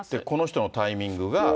この人のタイミングが。